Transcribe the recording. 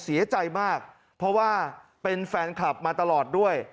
เสียใจมากเพราะว่าเป็นแฟนคลับมาตลอดด้วย